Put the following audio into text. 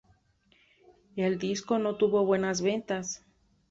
El disco no tuvo buenas ventas.